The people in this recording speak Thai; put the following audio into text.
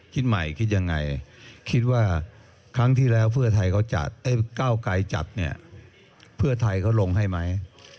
คิดใหม่คิดยังไงคิดว่าครั้งที่แล้วเก้าไกรจัดเก้าไกรจัดเนี่ยเก้าไกรลงให้ไหม